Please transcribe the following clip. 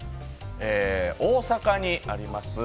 大阪にあります